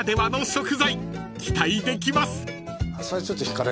［期待できます］